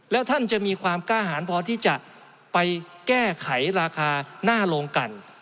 แล้วท่านจะมีความกล้าหารพอที่จะไปแก้ไขราคาหน้าโรงกัน